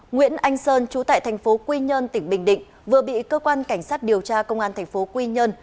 nguyễn anh sơn trú tại thành phố quy nhơn tỉnh bình định vừa bị cơ quan cảnh sát điều tra công an thành phố quy nhơn